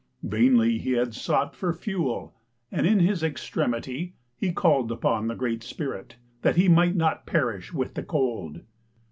Vainly had he sought for fuel and in his extremity he called upon the Great Spirit, that he might not perish with the cold.